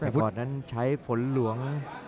แต่ฟอร์ตนั้นใช้ฝนหลวง